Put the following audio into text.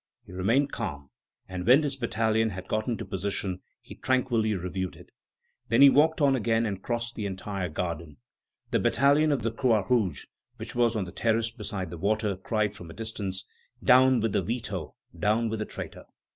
He remained calm, and when this battalion had got into position, he tranquilly reviewed it. Then he walked on again and crossed the entire garden. The battalion of the Croix Rouge, which was on the terrace beside the water, cried from a distance: "Down with the veto! Down with the traitor!"